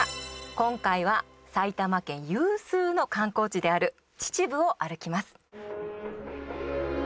今回は埼玉県有数の観光地である秩父を歩きます。